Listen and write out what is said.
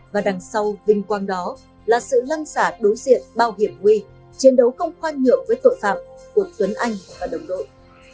và đằng sau vinh quang đó là sự lăn xả đối diện bao hiểm nguy chiến đấu không khoan nhượng với tội phạm của tuấn anh và đồng đội